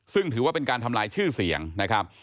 ซึ่งถือว่าเป็นการทำลายชื่อเสียงนะครับ